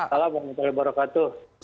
salam bangunan tuhan